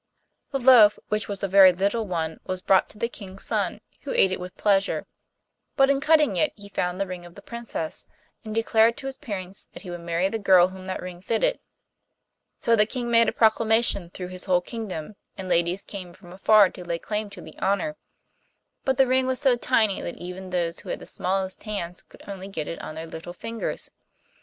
The loaf, which was a very little one, was brought to the King's son, who ate it with pleasure. But in cutting it he found the ring of the Princess, and declared to his parents that he would marry the girl whom that ring fitted. So the King made a proclamation through his whole kingdom and ladies came from afar to lay claim to the honour. But the ring was so tiny that even those who had the smallest hands could only get it on their little fingers.